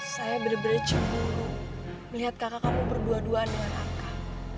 saya bener bener cemburu melihat kakak kamu berdua dua luar angka